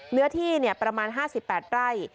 เนื้อที่ประมาณ๕๘ไร่